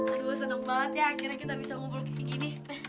aduh seneng banget ya akhirnya kita bisa ngobrol gini gini